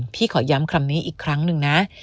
ขอย้ำคำนี้อีกครั้งหนึ่งนะ